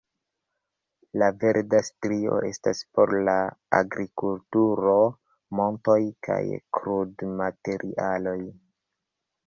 La verda strio estas por la agrikulturo, montoj kaj krudmaterialoj.